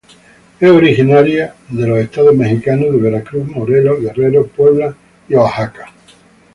Es originaria de los estados mexicanos de Veracruz, Morelos, Guerrero, Puebla y Oaxaca.